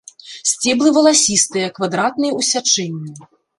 Сцеблы валасістыя, квадратныя ў сячэнні.